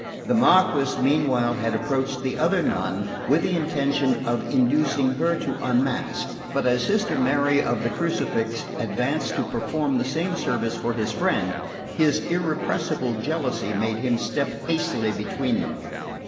The Marquess meanwhile had approached the other nun with the intention of inducing her to unmask; but as Sister Mary of the Crucifix advanced to perform the same service for his friend, his irrepressible jealousy made him step hastily between them.